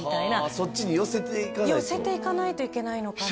そっちに寄せていかないと寄せていかないといけないのかな